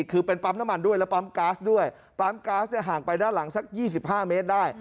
คือเป็นปั๊มน้ำมันด้วยและปั๊มก๊าซด้วยปั๊มก๊าซห่างไปด้านหลังสัก๒๕เมตรได้